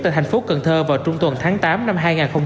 tại thành phố cần thơ vào trung tuần tháng tám năm hai nghìn hai mươi ba